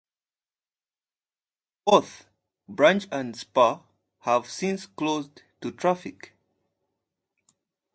Both branch and spur have since closed to traffic.